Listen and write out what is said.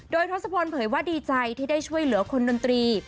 โดยทศพลเผยว่าดีใจที่ได้ช่วยเหลือคนดนตรี